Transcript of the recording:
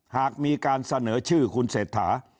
หากมีการเสนอชื่อคุณเศรษฐา